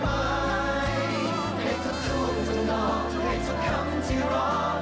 ให้ทุกทุกทางนอกให้ทุกคำที่ร้อง